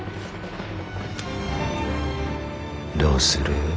どうする？